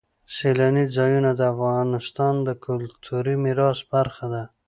سیلانی ځایونه د افغانستان د کلتوري میراث برخه ده.